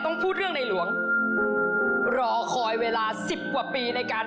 ของท่านได้เสด็จเข้ามาอยู่ในความทรงจำของคน๖๗๐ล้านคนค่ะทุกท่าน